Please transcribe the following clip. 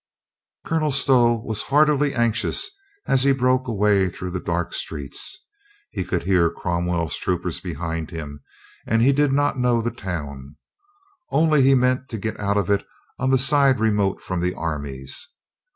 Colonel Stow was heartily anxious as he broke away through the dark streets. He could hear Cromwell's troopers behind him and he did not know the town. Only he meant to get out of it on the side remote from the armies.